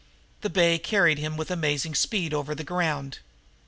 The bay mare carried him with amazing speed over the ground.